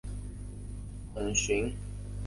孔循奉命将赵虔等全部族诛。